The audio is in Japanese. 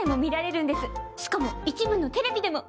しかも一部のテレビでも。